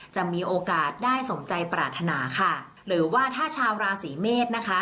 จะมีโอกาสได้สมใจปรารถนาค่ะหรือว่าถ้าชาวราศีเมษนะคะ